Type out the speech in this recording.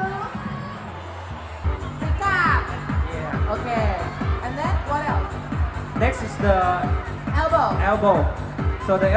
ตอนนี้ต้องทำทุกอย่างตัวเอง